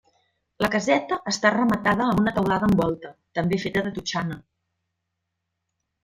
La caseta està rematada amb una teulada en volta, també feta de totxana.